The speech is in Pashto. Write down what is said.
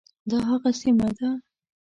دا هغه سیمه ده.